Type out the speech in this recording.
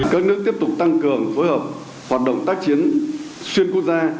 các nước tiếp tục tăng cường phối hợp hoạt động tác chiến xuyên quốc gia